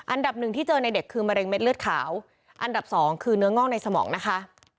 อันดับหนึ่งที่เจอในเด็กคือมะเร็งเด็ดเลือดขาวอันดับสองคือเนื้องอกในสมองนะคะ